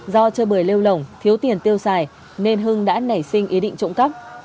do chơi bươi lêu lỏng thiếu tiền tiêu xài nên hưng đã nảy sinh ý định trộm cắp